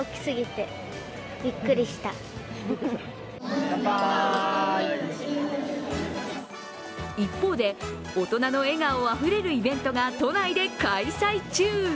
パンダかわいいです一方で、大人の笑顔あふれるイベントが都内で開催中。